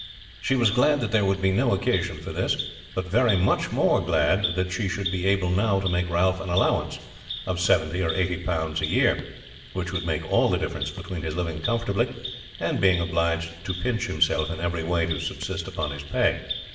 She was glad that there would be no occasion for this; but very much more glad that she should be able now to make Ralph an allowance of seventy or eighty pounds a year, which would make all the difference between his living comfortably and being obliged to pinch himself in every way to subsist upon his pay.